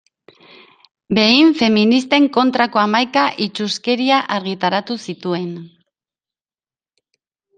Behin feministen kontrako hamaika itsuskeria argitaratu zituen.